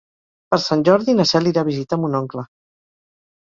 Per Sant Jordi na Cel irà a visitar mon oncle.